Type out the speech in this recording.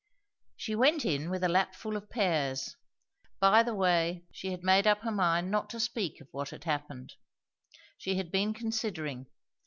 She went in with a lapful of pears. By the way she had made up her mind not to speak of what had happened. She had been considering.